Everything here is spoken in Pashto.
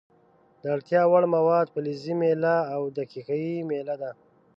د اړتیا وړ مواد فلزي میله او ښيښه یي میله ده.